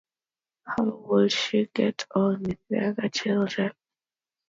How would she get on with the other children?